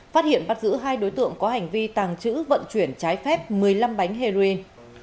phát hiện bắt giữ hai đối tượng có hành vi tàng trữ vận chuyển trái phép một mươi năm bánh heroin